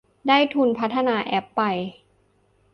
ได้ทุนพัฒนาแอปไป